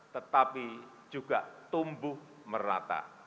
tetapi juga tumbuh merata